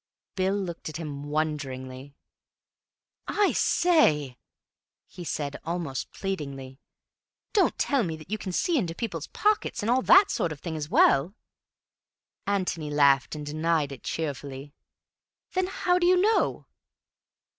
Bill looked at him wonderingly. "I say," he said, almost pleadingly, "don't tell me that you can see into people's pockets and all that sort of thing—as well." Antony laughed and denied it cheerfully. "Then how do you know?"